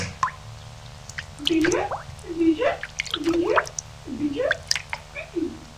পরে রিডার পদে উন্নীত হন।